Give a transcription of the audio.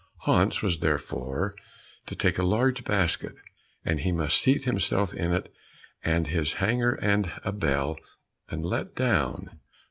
Hans was therefore to take a large basket, and he must seat himself in it with his hanger and a bell, and be let down.